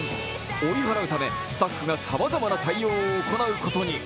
追い払うため、スタッフがさまざまな対応を行うことに。